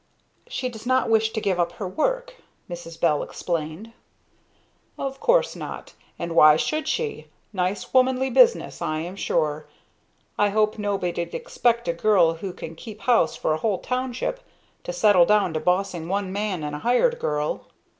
"She does not wish to give up her work," Mrs. Bell explained. "Of course not; and why should she? Nice, womanly business, I am sure. I hope nobody'd expect a girl who can keep house for a whole township to settle down to bossing one man and a hired girl."